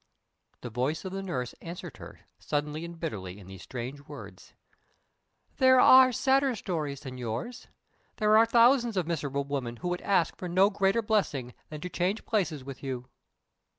The voice of the nurse answered her suddenly and bitterly in these strange words: "There are sadder stories than yours. There are thousands of miserable women who would ask for no greater blessing than to change places with you."